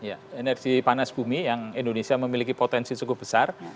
ya energi panas bumi yang indonesia memiliki potensi cukup besar